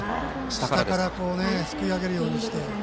下から、すくい上げるようにして。